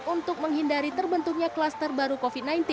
untuk menghindari terbentuknya kluster baru covid sembilan belas